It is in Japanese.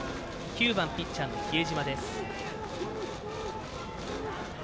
９番、ピッチャーの比江島。